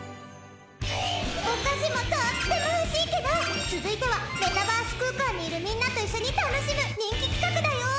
お菓子もとっても欲しいけど続いてはメタバース空間にいるみんなと一緒に楽しむ人気企画だよ！